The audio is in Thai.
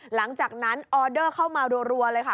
หลังจากนั้นออเดอร์เข้ามารัวเลยค่ะ